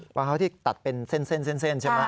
ของเขาที่ตัดเป็นเส้นใช่ไหม